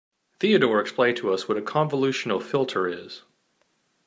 Theodore explained to us what a convolution filter is.